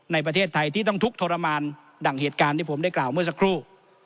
ในประเทศไทยที่ต้องทุกข์ทรมานดั่งเหตุการณ์ที่ผมได้กล่าวเมื่อสักครู่